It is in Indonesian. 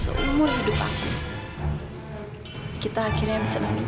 sebelum yg tienes di kada dari tidak ada ordem sama sama